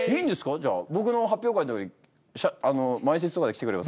じゃあ僕の「はっぴょう会」の時に前説とかで来てくれます？